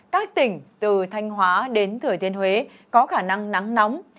các tỉnh từ thanh hóa đến thừa thiên huế có khả năng nắng nóng